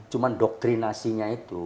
cuman doktrinasinya itu